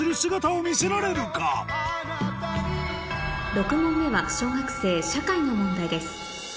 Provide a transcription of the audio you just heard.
６問目は小学生社会の問題です